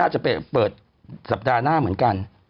จะไปเปิดสัปดาห์หน้าเหมือนกัน